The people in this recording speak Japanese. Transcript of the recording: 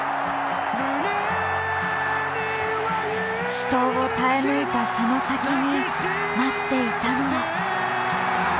死闘を耐え抜いたその先に待っていたのは。